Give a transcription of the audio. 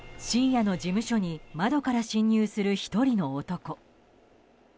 深夜の事務所に窓から侵入する１人の男。